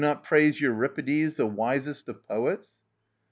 not praise Euripides, the greatest of our poets!